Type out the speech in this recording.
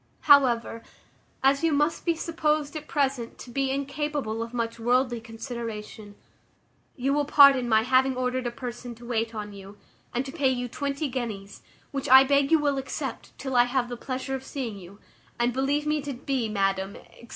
"`However, as you must be supposed at present to be incapable of much worldly consideration, you will pardon my having ordered a person to wait on you, and to pay you twenty guineas, which I beg you will accept till I have the pleasure of seeing you, and believe me to be, madam, &c.'